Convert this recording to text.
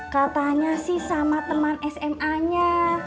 katanya sih sama teman sma nya